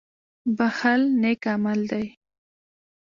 • بښل نېک عمل دی.